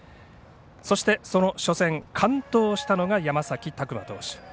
そして、その初戦完投したのが山崎琢磨投手。